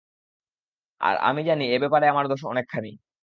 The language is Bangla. আর আমি জানি এ ব্যাপারে আমার দোষ অনেকখানি।